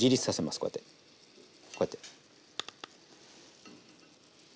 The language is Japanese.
こうやってこうやって。